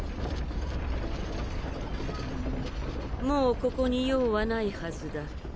もうここに用はないはずだ。